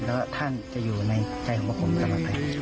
แล้วท่านจะอยู่ในใจของพวกผมตลอดไป